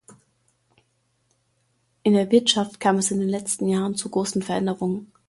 In der Wirtschaft kam es in den letzten Jahren zu großen Veränderungen.